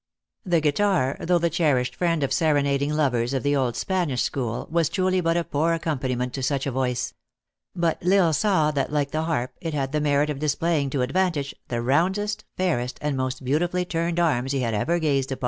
The guitar, though the cherished friend of serenading lovers of the old Spanish school, was truly but a poor accom paniment to such a voice ; but L Isle saw that, like the harp, it had the merit of displaying to advantage, the roundest, fairest, and most beautifully turned arms he had ever gazed upon.